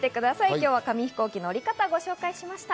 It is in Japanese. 今日は紙ひこうきの折り方をご紹介しました。